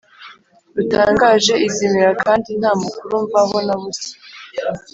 rutangaje izimira kandi nta makuru mvaho na busa